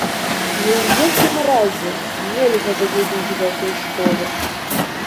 Ні ў якім разе нельга загубіць гэтую школу.